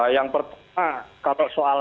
yang pertama kalau soal